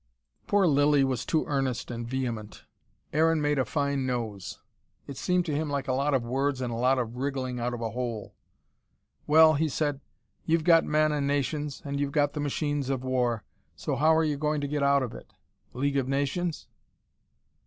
Poor Lilly was too earnest and vehement. Aaron made a fine nose. It seemed to him like a lot of words and a bit of wriggling out of a hole. "Well," he said, "you've got men and nations, and you've got the machines of war so how are you going to get out of it? League of Nations?"